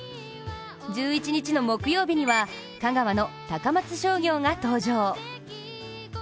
１１日の木曜日には香川の高松商業が登場。